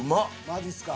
マジっすか。